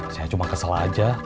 saya cuma kesel aja